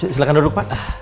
silahkan duduk pak